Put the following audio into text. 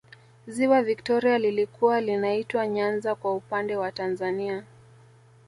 ziwa victoria lilikuwa linaitwa nyanza kwa upande wa tanzania